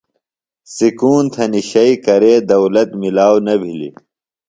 سکون تھنیۡ شئی کرے دولت ملاو نہ بھِلیۡ۔